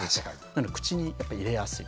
なので口にやっぱり入れやすい。